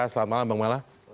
selamat malam bang mala